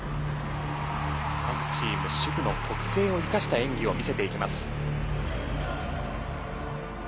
各チーム手具の特性を生かした演技を見せていきます。